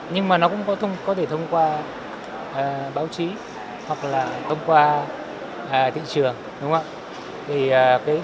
nhưng mà nó cũng có thể thông qua báo chí hoặc là thông qua thị trường đúng không ạ